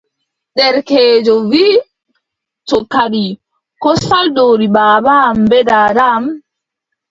Derkeejo wiʼi: to kadi, ko saldori baaba am bee daada am,